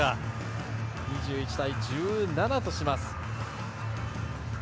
２１対１７とします。